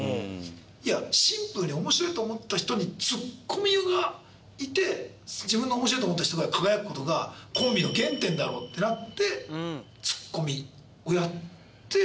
いやシンプルに面白いと思った人にツッコミがいて自分の面白いと思った人が輝く事がコンビの原点だろうってなって。